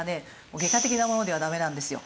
外科的なものではダメなんですよ。